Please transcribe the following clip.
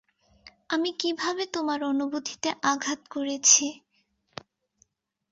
আমি কিভাবে তোমার অনুভূতিতে আঘাত করেছি?